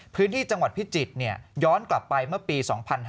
พื้นที่จังหวัดพิจิตรย้อนกลับไปเมื่อปี๒๕๕๙